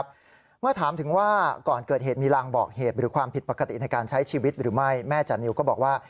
ปกติในการใช้ชีวิตหรือไม่แม่จานิวก็บอกว่า